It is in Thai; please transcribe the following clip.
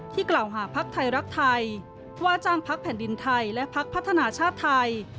กล่าวหาพักไทยรักไทยว่าจ้างพักแผ่นดินไทยและพักพัฒนาชาติไทย